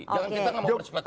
jangan kita ngomong perspekulasi